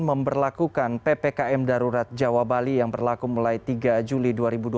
memperlakukan ppkm darurat jawa bali yang berlaku mulai tiga juli dua ribu dua puluh